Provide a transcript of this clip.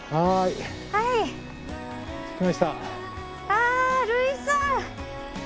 あ類さん。